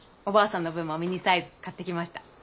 おばあさんの分もミニサイズ買ってきました。